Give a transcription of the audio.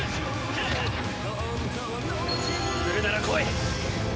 来るなら来い！